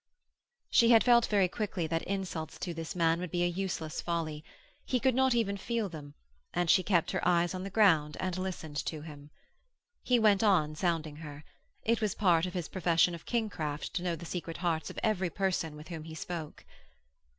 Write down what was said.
She had felt very quickly that insults to this man would be a useless folly. He could not even feel them, and she kept her eyes on the ground and listened to him. He went on sounding her. It was part of his profession of kingcraft to know the secret hearts of every person with whom he spoke.